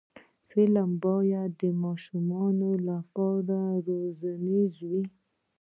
فلم باید د ماشومانو لپاره روزنیز وي